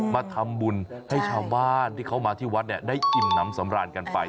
มาทำบุญให้ชาวบ้านที่เขามาที่วัดได้อิ่มน้ำสำราญกันไป